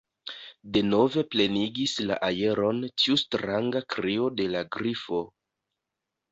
Denove plenigis la aeron tiu stranga krio de la Grifo.